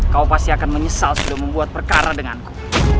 kau pasti akan menyesal sudah membuat perkara denganku